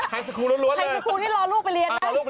หายสุโคลณ์ลดเลย